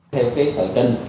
theo cái khởi trần